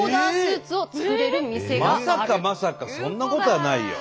まさかまさかそんなことはないよ。